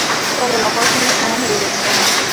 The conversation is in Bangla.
চলেন, অপারেশনের সময় হয়ে গেছে।